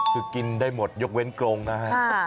คือกินได้หมดยกเว้นกรงนะฮะ